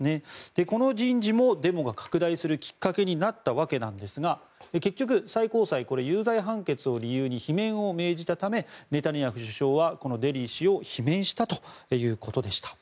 この人事もデモが拡大するきっかけになったわけなんですが結局、最高裁有罪判決を理由に罷免を命じたためネタニヤフ首相はこのデリ氏を罷免したということでした。